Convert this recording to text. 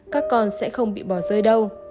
các con sẽ không bị bỏ rơi đâu